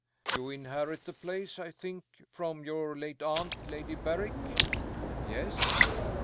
"You inherit the place, I think, from your late aunt, Lady Berrick?" "Yes."